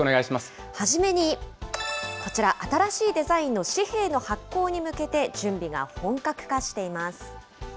初めにこちら、新しいデザインの紙幣の発行に向けて準備が本格化しています。